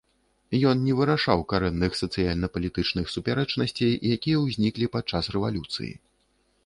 Ён не вырашаў карэнных сацыяльна-палітычных супярэчнасцей, якія ўзніклі падчас рэвалюцыі.